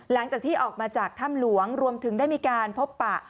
หลังจากที่ออกมาจากถ้ำหลวงรวมถึงได้มีการพบปะ